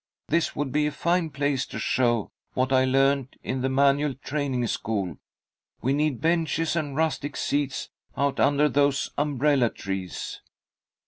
This would be a fine place to show what I learned in the manual training school. We need benches and rustic seats out under those umbrella trees."